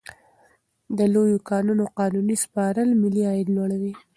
د لویو کانونو قانوني سپارل ملي عاید لوړوي.